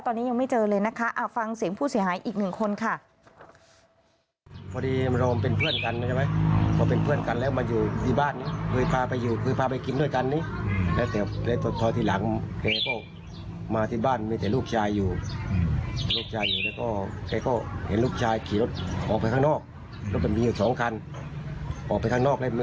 ตอนนี้ยังไม่เจอเลยนะคะฟังเสียงผู้เสียหายอีกหนึ่งคนค่ะ